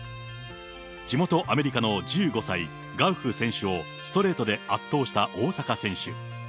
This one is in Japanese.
地元アメリカの１５歳、ガウフ選手をストレートで圧倒した大坂選手。